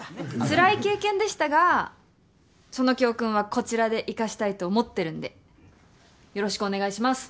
つらい経験でしたがその教訓はこちらで生かしたいと思ってるんでよろしくお願いします